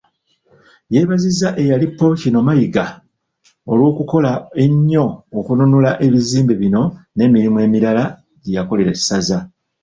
Yeebazizza eyali Ppookino Mayiga olwokukola ennyo okununula ebizimbe bino n'emirimu emirala gye yakolera essaza.